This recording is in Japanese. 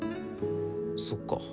そっか。